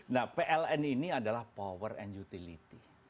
nah pln ini adalah power and utility